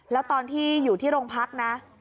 แล้วตอนที่อยู่ที่โรงพักนะ